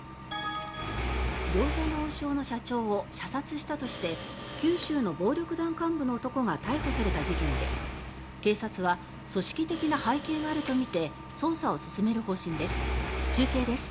餃子の王将の社長を射殺したとして九州の暴力団幹部の男が逮捕された事件で警察は組織的な背景があるとみて捜査を進める方針です。